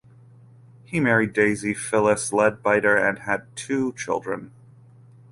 He married Daisy Phyllis Leadbitter and had two children.